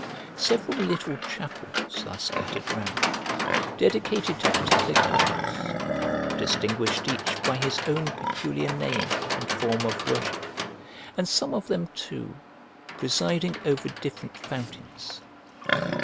Several little chapels are scattered round, dedicated to particular gods, distinguished each by his own peculiar name and form of worship, and some of them, too, presiding over different fountains.